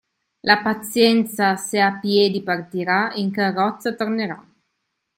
La pazienza se a piedi partirà in carrozza tornerà.